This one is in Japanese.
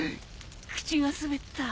口が滑った。